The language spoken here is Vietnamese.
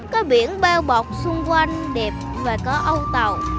có biển bao bọc xung quanh đẹp và có âu tàu